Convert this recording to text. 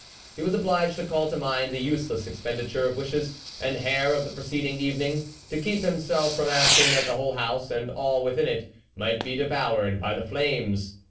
He was obliged to call to mind the useless expenditure of wishes and hair of the preceding evening, to keep himself from asking that the whole house, and all with n it, might be devoured by the flames.